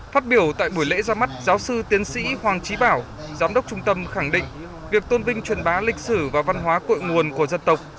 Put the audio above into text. phát biểu tại buổi lễ ra mắt giáo sư tiến sĩ hoàng trí bảo giám đốc trung tâm khẳng định việc tôn vinh truyền bá lịch sử và văn hóa cội nguồn của dân tộc